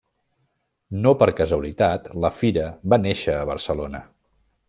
No per casualitat, la fira va néixer a Barcelona.